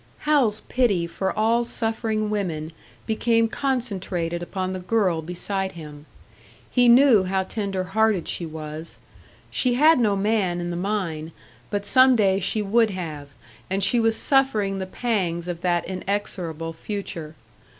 Hal's pity for all suffering women became concentrated upon the girl beside him. He knew how tenderhearted she was. She had no man in the mine, but some day she would have, and she was suffering the pangs of that inexorable future.